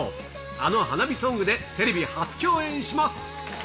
あの花火ソングでテレビ初共演します。